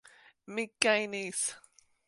Mi gajnis!